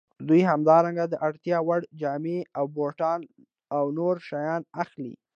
دوی همدارنګه د اړتیا وړ جامې او بوټان او نور شیان اخلي